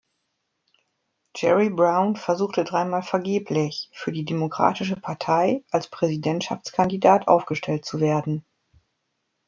Jerry Brown versuchte dreimal vergeblich, für die Demokratische Partei als Präsidentschaftskandidat aufgestellt zu werden.